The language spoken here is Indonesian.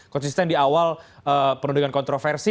konsisten di awal penelitian kontroversi